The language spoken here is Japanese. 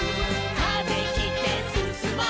「風切ってすすもう」